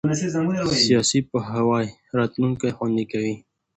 سیاسي پوهاوی راتلونکی خوندي کوي